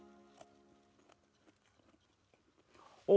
お！